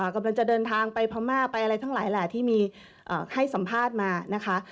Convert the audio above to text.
กำลังจะเดินทางไปพม่าไปอะไรทั้งหลายแหละที่มีให้สัมภาษณ์มานะคะ